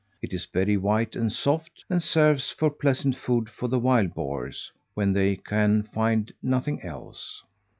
It is very white and soft, and serves for pleasant food to the wild boars, when they can find nothing else.